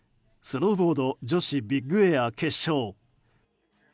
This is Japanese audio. スノーボード女子ビッグエア決勝。